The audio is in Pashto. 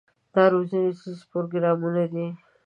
دا روزنیز پروګرامونه دي.